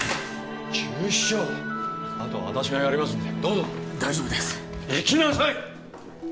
厨司長あとは私がやりますんでどうぞ大丈夫です行きなさい！